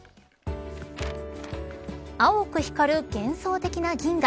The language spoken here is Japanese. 青く光る幻想的な銀河。